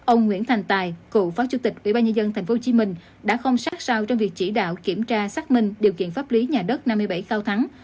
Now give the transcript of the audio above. ông nguyễn thành tài cựu phó chủ tịch ubnd tp hcm đã không sát sao trong việc chỉ đạo kiểm tra xác minh điều kiện pháp lý nhà đất năm mươi bảy cao thắng